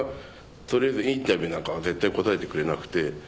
とりあえずインタビューなんかは絶対答えてくれなくて。